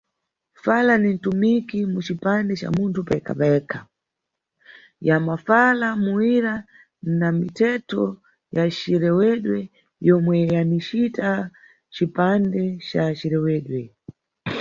Fala ni mtumiki mu cipande ca munthu payekha- payekha, ya mafala, muwira na mithetho ya cirewedwe, yomwe yanicita cipande ca cirewedwe.